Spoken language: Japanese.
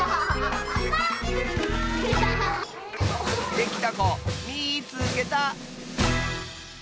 できたこみいつけた！